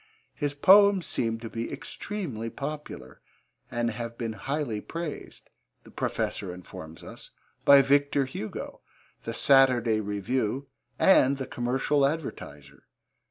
His poems seem to be extremely popular, and have been highly praised, the Professor informs us, by Victor Hugo, the Saturday Review and the Commercial Advertiser.